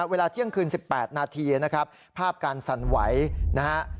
เวลาเที่ยงคืน๑๘นาทีนะครับภาพการสั่นไหวนะฮะ